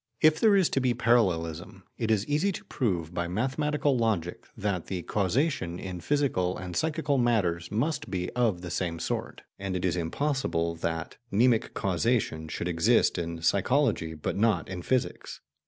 If there is to be parallelism, it is easy to prove by mathematical logic that the causation in physical and psychical matters must be of the same sort, and it is impossible that mnemic causation should exist in psychology but not in physics.